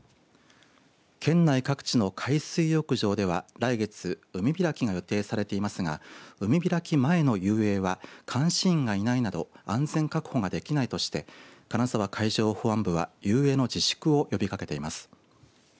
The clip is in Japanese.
県内各地の海水浴場では来月海開きが予定されていますが海開き前の遊泳は監視員がいないなど安全確保ができないとして金沢海上保安部は遊泳の自粛を呼びかけています。